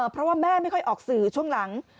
เพราะว่าแม่ไม่ค่อยออกสื่อช่วงหลัง